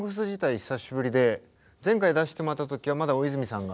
久しぶりで前回出してもらった時はまだ大泉さんが。